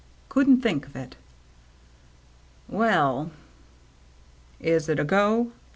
" Couldn't think of it." "Well —"« Is it a go